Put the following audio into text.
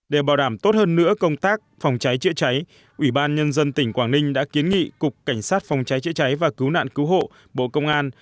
để bảo đảm tốt hơn nữa công tác phòng cháy chữa cháy ủy ban nhân dân tỉnh quảng ninh đã kiến nghị cục cảnh sát phòng cháy chữa cháy và cứu nạn cứu hộ bộ công an